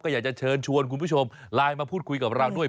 อยากจะเชิญชวนคุณผู้ชมไลน์มาพูดคุยกับเราด้วย